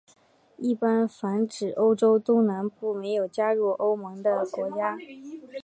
一般泛指欧洲东南部没有加入欧盟的国家。